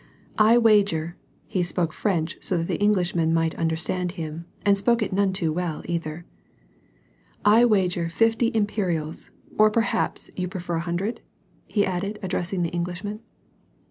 " I wager," — he spoke French so that the Englishman might understand him, and spoke it none too well either, — "I wager fifty imperials ; or perhaps you prefer a hundred ?" he added, addressing the Englishman.